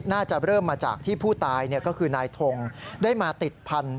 น่าจะเริ่มมาจากที่ผู้ตายก็คือนายทงได้มาติดพันธุ